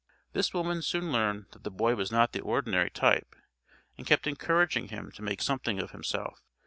This woman soon learned that the boy was not the ordinary type, and kept encouraging him to make something of himself.